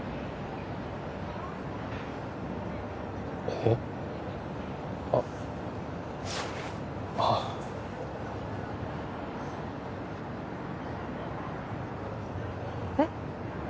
えっあああえっ？